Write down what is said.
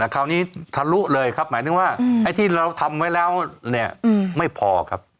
คราวนี้ทะลุเลยครับหมายถึงว่าไอ้ที่เราทำไว้แล้วเนี่ยไม่พอครับ